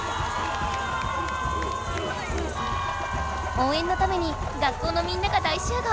応援のために学校のみんなが大集合！